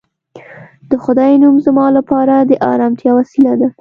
د خدای نوم زما لپاره د ارامتیا وسیله ده